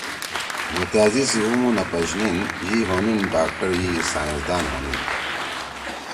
مُوتأزی سی اُومُو نہ پَش نین نین۔ یی ہونیِن ڈاکٹر یِی سائسندان ہونین۔